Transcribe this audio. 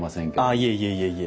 いえいえいえいえ。